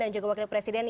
dan juga wakil presiden